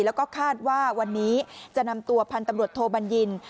และก็คาดว่าวันนี้จะนำตัวพันธุ์โทบันยิน